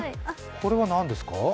これは何ですか？